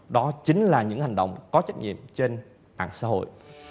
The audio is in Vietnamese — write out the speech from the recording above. đó chính là những hành động có trách nhiệm trên mạng xã hội